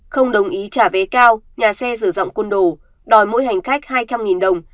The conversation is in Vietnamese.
không đồng ý trả vé cao nhà xe sử dụng côn đồ đòi mỗi hành khách hai trăm linh đồng